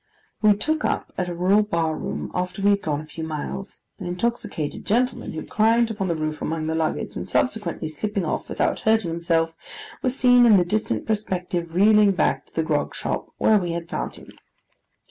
We took up at a rural bar room, after we had gone a few miles, an intoxicated gentleman who climbed upon the roof among the luggage, and subsequently slipping off without hurting himself, was seen in the distant perspective reeling back to the grog shop where we had found him.